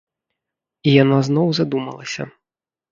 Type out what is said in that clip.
І яна зноў задумалася.